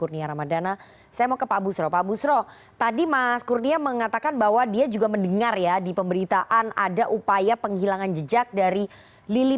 untuk mendadak lanjuti